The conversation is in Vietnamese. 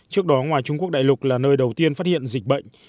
trước đó ngoài trung quốc đại lục là nơi đầu tiên phát hiện dịch bệnh